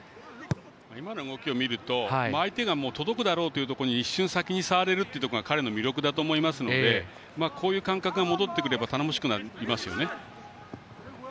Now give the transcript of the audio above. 今の動きを見ると相手が届くだろうというところに一瞬、触れるというのが彼の魅力だと思いますのでこういう感覚が戻ってくれば頼もしくなりますよね。